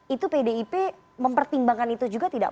itu pdip mempertimbangkan itu juga tidak